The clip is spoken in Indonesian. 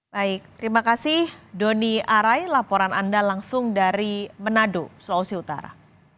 baik terima kasih doni arai laporan anda langsung dari manado sulawesi utara